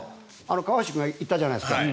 川内君が行ったじゃないですか。